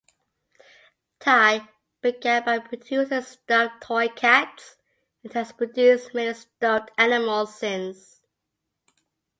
Ty began by producing stuffed toy cats, and has produced many stuffed animals since.